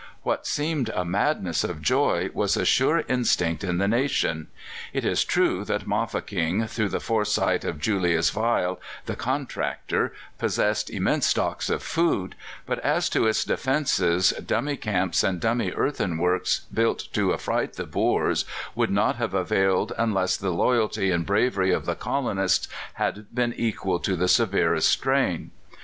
What seemed a madness of joy was a sure instinct in the nation. It is true that Mafeking, through the foresight of Julius Weil, the contractor, possessed immense stocks of food; but as to its defences, dummy camps and dummy earthworks built to affright the Boers would not have availed unless the loyalty and bravery of the colonists had been equal to the severest strain.